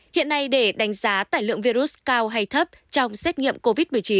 hiện nay để đánh giá tải lượng virus cao hay thấp trong xét nghiệm covid một mươi chín